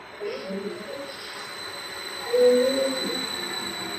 Kuwalisha mifugo katika maeneo yenye mbung'o na nzi wa kuuma